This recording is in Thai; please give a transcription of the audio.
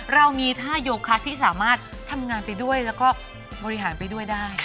เรามีท่าโยคะที่สามารถทำงานไปด้วยแล้วก็บริหารไปด้วยได้